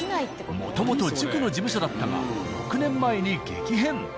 もともと塾の事務所だったが６年前に激変。